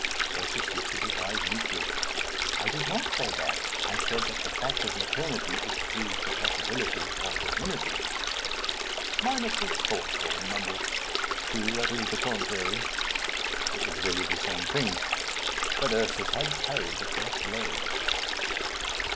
Ursus lifted his eyes meekly, "I did not say that. I said that the fact of maternity excludes the possibility of virginity." Minos was thoughtful, and mumbled, "True, that is the contrary." It was really the same thing. But Ursus had parried the first blow.